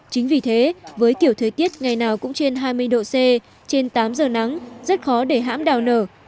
chính vì thế với kiểu thời tiết ngày nào cũng trên hai mươi độ c trên tám giờ nắng rất khó để hãm đào nở